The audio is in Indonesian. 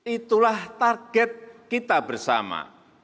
itulah target kita bersama